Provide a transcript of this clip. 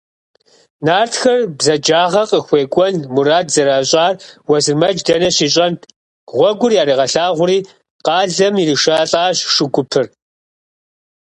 Нартхэр бзаджагъэ къыхуекӏуэн мурад зэращӏар Уэзырмэдж дэнэ щищӏэнт – гъуэгур яригъэлъагъури, къалэм иришэлӏащ шу гупыр.